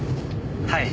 はい。